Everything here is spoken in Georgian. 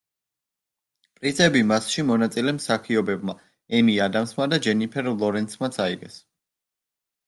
პრიზები მასში მონაწილე მსახიობებმა, ემი ადამსმა და ჯენიფერ ლორენსმაც აიღეს.